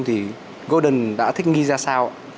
thì golden đã thích nghi ra sao